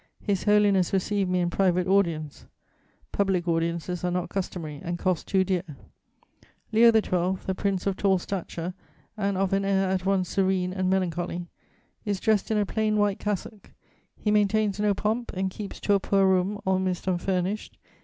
His Holiness received me in private audience; public audiences are not customary and cost too dear. Leo XII., a prince of tall stature and of an air at once serene and melancholy, is dressed in a plain white cassock; he maintains no pomp, and keeps to a poor room, almost unfurnished.